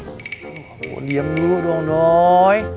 kamu diam dulu dong doi